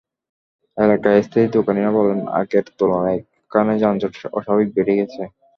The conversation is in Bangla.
এলাকার স্থায়ী দোকানিরা বললেন, আগের তুলনায় এখানে যানজট অস্বাভাবিক বেড়ে গেছে।